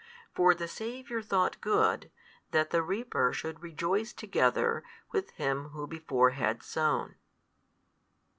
For the Saviour thought good, that the reaper should rejoice together with him who before had sown.